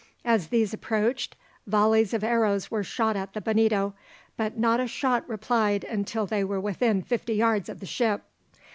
As these approached volleys of arrows were shot at the Bonito, but not a shot replied until they were within fifty yards of the ship.